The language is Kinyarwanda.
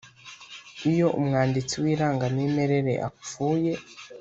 iyo umwanditsi w irangamimerere apfuye